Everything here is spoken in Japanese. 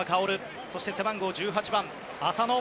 そして背番号１８番、浅野。